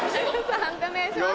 判定お願いします。